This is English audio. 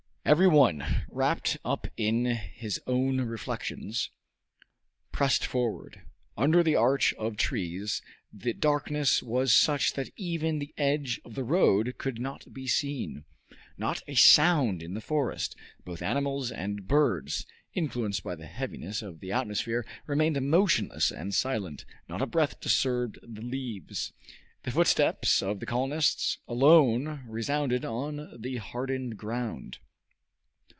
Every one, wrapped up in his own reflections, pressed forward. Under the arch of trees the darkness was such that even the edge of the road could not be seen. Not a sound in the forest. Both animals and birds, influenced by the heaviness of the atmosphere, remained motionless and silent. Not a breath disturbed the leaves. The footsteps of the colonists alone resounded on the hardened ground.